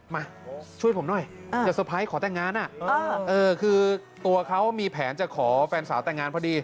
มาช่วยผมหน่อยจะเตอร์ไพรส์ขอแต่งงานคือตัวเขามีแผนจะขอแฟนสาวแต่งงานพอดี